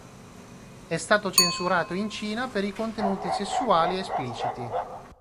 È stato censurato in Cina per i contenuti sessuali espliciti.